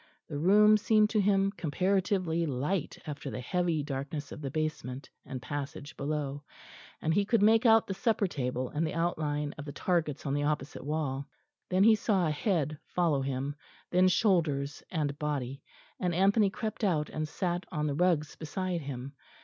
The room seemed to him comparatively light after the heavy darkness of the basement, and passage below, and he could make out the supper table and the outline of the targets on the opposite wall. Then he saw a head follow him; then shoulders and body; and Anthony crept out and sat on the rugs beside him.